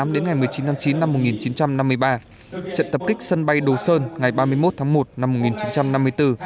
đến ngày một mươi chín tháng chín năm một nghìn chín trăm năm mươi ba trận tập kích sân bay đồ sơn ngày ba mươi một tháng một năm một nghìn chín trăm năm mươi bốn